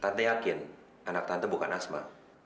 tante yakin anak tante bukan asma